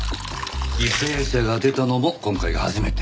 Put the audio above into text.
犠牲者が出たのも今回が初めて。